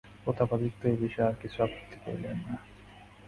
প্রতাপাদিত্য এ বিষয়ে আর কিছু আপত্তি করিলেন না।